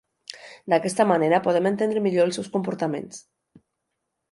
D'aquesta manera podrem entendre millor els seus comportaments.